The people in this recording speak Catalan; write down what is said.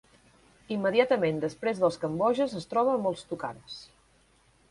Immediatament després dels Kambojas, es troba amb els Tukharas.